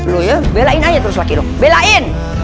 lo ya belain aja terus wakil lo belain